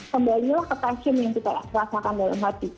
kembalilah ke passion yang kita rasakan dalam hati